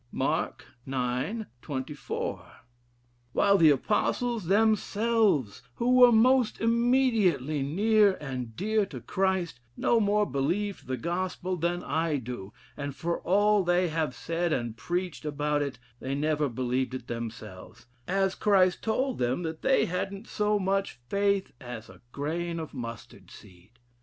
Mark ix. 24. While the Apostles themselves, who were most immediately near and dear to Christ, no more believed the Gospel than I do; and for all they have said and preached about it, they never believed it themselves, as Christ told 'em that they hadn't so much faith as a grain of mustard seed.